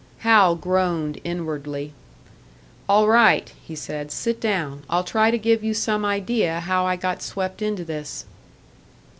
Hal groaned inwardly. "All right," he said, "sit down. I'll try to give you some idea how I got swept into this."